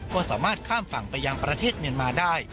ก็สามารถข้ามฝั่งไปยังประเทศเมียนมาได้